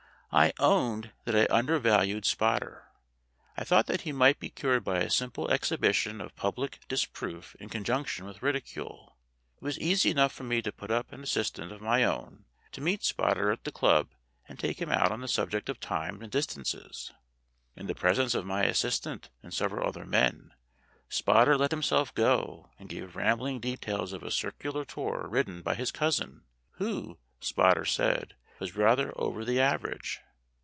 I owned that I undervalued Spotter. I thought that he might be cured by a simple exhibition of public disproof in conjunction with ridicule. It was easy enough for me to put up an assistant of my own to meet Spotter at the club and take him out on the subject of times and distances. In the presence of my assistant and several other men, Spotter let him self go and gave rambling details of a circular tour ridden by his cousin, who, Spotter said, was rather over the average.